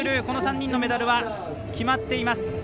この３人のメダルは決まっています。